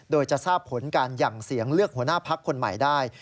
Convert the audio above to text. โดยจะทราบผลการหยั่งเสียงเลือกหัวหน้าพักคนใหม่ได้